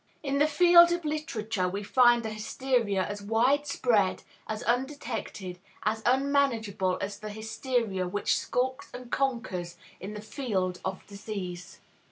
In the field of literature we find a hysteria as widespread, as undetected, as unmanageable as the hysteria which skulks and conquers in the field of disease.